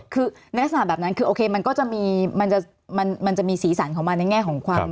คือในลักษณะแบบนั้นคือโอเคมันก็จะมีสีสันของมันในแง่ของความ